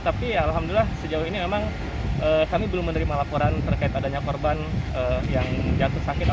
tapi alhamdulillah sejauh ini memang kami belum menerima laporan terkait adanya korban yang jatuh sakit